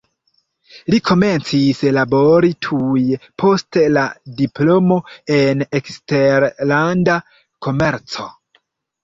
Li komencis labori tuj post la diplomo en eksterlanda komerco.